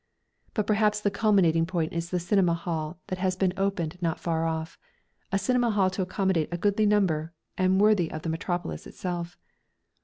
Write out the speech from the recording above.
But perhaps the culminating point is the cinema hall that has been opened not far off a cinema hall to accommodate a goodly number, and worthy of the Metropolis itself.